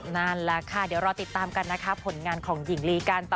นั่นแหละค่ะเดี๋ยวรอติดตามกันนะคะผลงานของหญิงลีกันต่อ